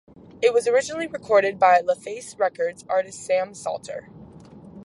It was originally recorded by LaFace Records artist Sam Salter.